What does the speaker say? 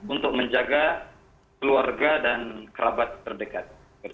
untuk menjaga keluarga dan kerabat terdekat